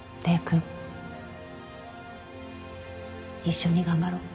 一緒に頑張ろう。